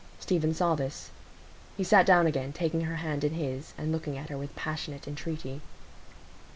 Stephen saw this. He sat down again, taking her hand in his, and looking at her with passionate entreaty.